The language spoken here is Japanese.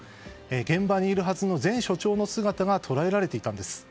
現場にいるはずの前署長の姿が捉えられていたんです。